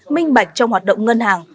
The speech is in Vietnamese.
minh bạch trong hoạt động ngân hàng